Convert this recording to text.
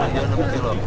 paling jauh enam km